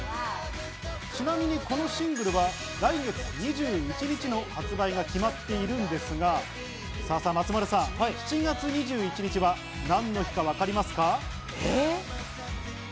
ちなみにこのシングルは来月２１日の発売が決まっているのですが、松丸さん、７月２１日は何の日かわかりますか？